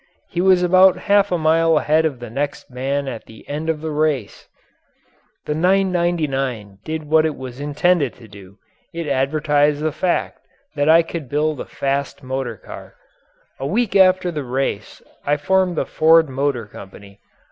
He was about half a mile ahead of the next man at the end of the race! The "999" did what it was intended to do: It advertised the fact that I could build a fast motorcar. A week after the race I formed the Ford Motor Company.